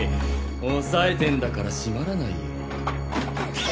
おさえてんだから閉まらないよ。